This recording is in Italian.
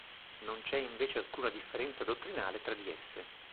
Non c'è invece alcuna differenza dottrinale tra di esse.